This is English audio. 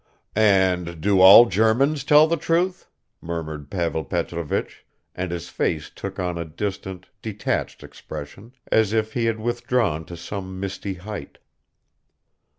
"And do all Germans tell the truth?" murmured Pavel Petrovich, and his face took on a distant, detached expression, as if he had withdrawn to some misty height.